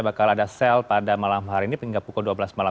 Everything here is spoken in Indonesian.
bakal ada sel pada malam hari ini hingga pukul dua belas malam